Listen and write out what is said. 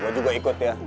gue juga ikut ya